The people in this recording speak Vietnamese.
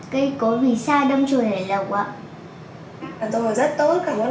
cây cối vì sao đâm trồn nảy lộng ạ